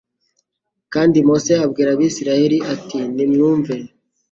kandi mose abwira abisiraaheli ati nimwumve